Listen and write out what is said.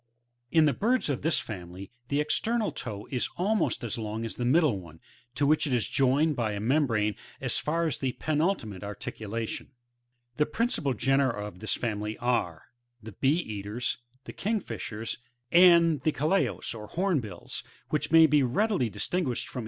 9. In the birds of this family, the external toe is almost as k>ng as the middle one, to which it is joined by a membrane as far as the penultimate articulation. 10. The principal genera of this family, are : the Bee eaters, the King Fishers, and the Calaos, or Hornbills, which may be readily distinguished from each other by the form of the beak.